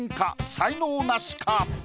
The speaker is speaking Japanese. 才能ナシか？